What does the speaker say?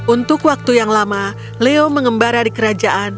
untuk waktu yang lama leo mengembara di kerajaan